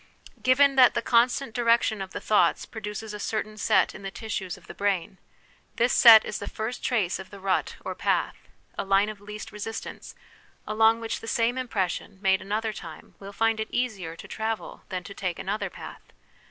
Given, that the constant direction of the thoughts produces a certain set in the tissues of the brain, this set is the first trace of the rut or path, a line of least resistance, along which the same impression, made another time, will find it easier to travel than to take another path.